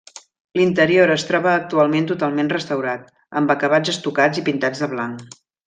L'interior es troba actualment totalment restaurat, amb acabats estucats i pintats de blanc.